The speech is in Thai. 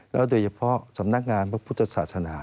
โดยเฉพาะสำนักงานพระพุทธศาสนา